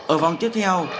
ở vòng tiếp theo